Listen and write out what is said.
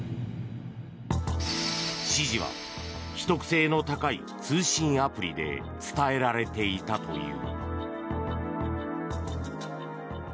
指示は秘匿性の高い通信アプリで伝えられていたという。